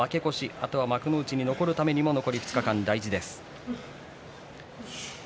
あとは幕内に残るためにも残り２日間、大事です。